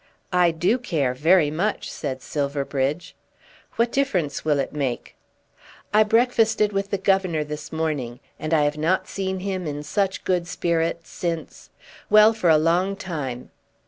"I do care very much," said Silverbridge. "What difference will it make?" "I breakfasted with the governor this morning, and I have not seen him in such good spirits since , well, for a long time."